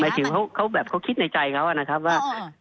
ถึงเขาแบบเขาคิดในใจเขานะครับว่า